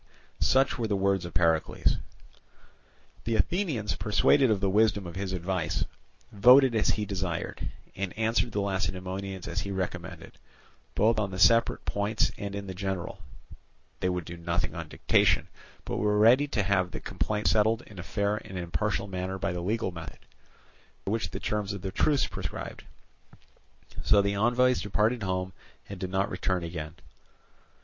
Such were the words of Pericles. The Athenians, persuaded of the wisdom of his advice, voted as he desired, and answered the Lacedaemonians as he recommended, both on the separate points and in the general; they would do nothing on dictation, but were ready to have the complaints settled in a fair and impartial manner by the legal method, which the terms of the truce prescribed. So the envoys departed home and did not return again.